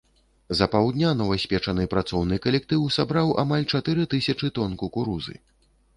За паўдня новаспечаны працоўны калектыў сабраў амаль чатыры тысячы тоны кукурузы.